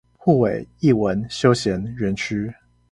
滬尾藝文休閒園區